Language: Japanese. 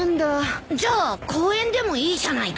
じゃあ公園でもいいじゃないか。